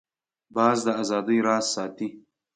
باز د آزادۍ راز ساتي